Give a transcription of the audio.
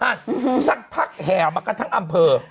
สักพักแห่มากันทั้งอำเภอ